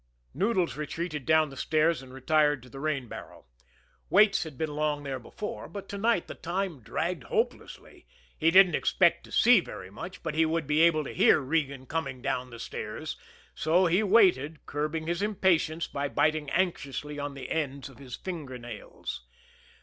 Noodles retreated down the stairs and retired to the rain barrel. Waits had been long there before, but to night the time dragged hopelessly he didn't expect to see very much, but he would be able to hear Regan coming down the stairs, so he waited, curbing his impatience by biting anxiously on the ends of his finger nails.